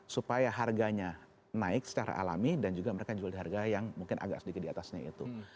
supaya harganya naik secara alami dan juga mereka jual di harga yang mungkin agak sedikit diatasnya itu